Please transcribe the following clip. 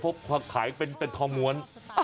เพราะขายเป็นทองม้วน